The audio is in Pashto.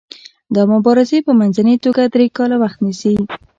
دا مبارزې په منځنۍ توګه درې کاله وخت نیسي.